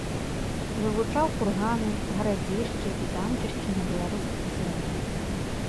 Вывучаў курганы, гарадзішчы і замчышчы на беларускіх землях.